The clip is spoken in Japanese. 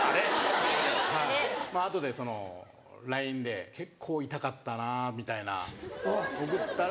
後でＬＩＮＥで「結構痛かったなぁ」みたいな送ったら。